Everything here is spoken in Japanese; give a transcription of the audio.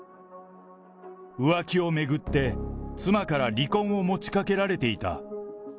浮気を巡って、妻から離婚を持ちかけられていた。